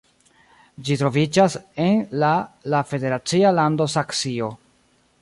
Ĝi troviĝas en la la federacia lando Saksio.